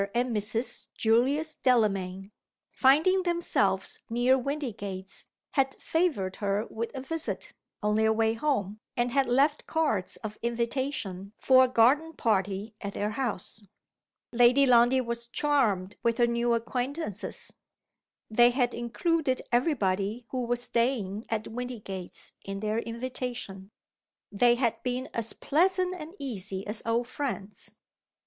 and Mrs. Julius Delamayn, finding themselves near Windygates, had favored her with a visit, on their way home, and had left cards of invitation for a garden party at their house. Lady Lundie was charmed with her new acquaintances. They had included every body who was staying at Windygates in their invitation. They had been as pleasant and easy as old friends.